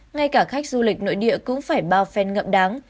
ngay cả khách du lịch nội địa cũng phải bao phen ngậm đáng